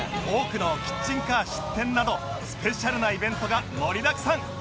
多くのキッチンカー出店などスペシャルなイベントが盛りだくさん！